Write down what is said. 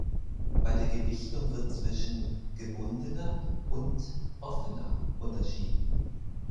Bei der Gewichtung wird zwischen "gebundener" und "offener" unterschieden.